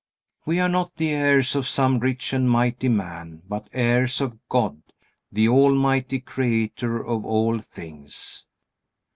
We are not the heirs of some rich and mighty man, but heirs of God, the almighty Creator of all things.